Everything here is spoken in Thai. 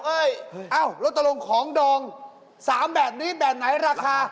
เออคิดดองไม่ยิ้มเด็ก